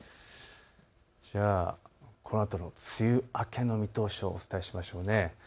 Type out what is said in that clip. このあとの梅雨明けの見通しをお伝えしましょう。